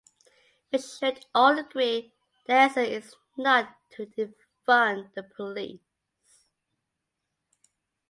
We should all agree: The answer is not to Defund the police.